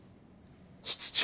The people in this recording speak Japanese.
室長。